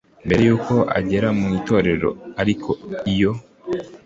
mbere y uko agera mu itorero Ariko iyo